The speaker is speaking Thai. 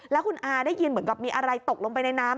แล้วคุณอาได้ยินเหมือนกับมีอะไรตกลงไปในน้ำ